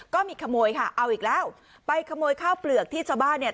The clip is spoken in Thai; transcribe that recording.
ก็มีขโมยค่ะเอาอีกแล้วไปขโมยข้าวเปลือกที่ชาวบ้านเนี่ย